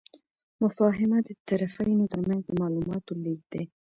مفاهمه د طرفینو ترمنځ د معلوماتو لیږد دی.